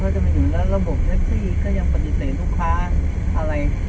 เขาจะมาอยู่แรงระบบตามที่ด้วยก็ยังปฏิเสธลูกค้าอะไร